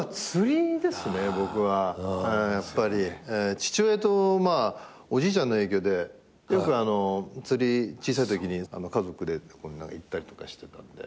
父親とおじいちゃんの影響でよく釣り小さいときに家族で行ったりとかしてたんで。